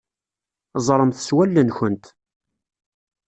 Ẓremt s wallen-nkent.